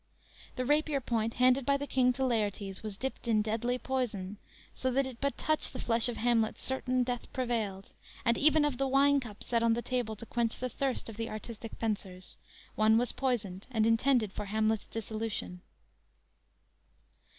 The rapier point handed by the King to Laertes, was dipped in deadly poison, so that it but touch the flesh of Hamlet certain death prevailed, and even of the wine cups set on the table to quench the thirst of the artistic fencers, one was poisoned and intended for Hamlet's dissolution.